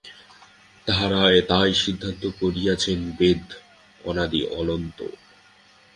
তাঁহারা তাই সিদ্ধান্ত করিয়াছেন, বেদ অনাদি অনন্ত।